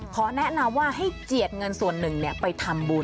ขอแนะนำว่าให้เจียดเงินส่วนหนึ่งไปทำบุญ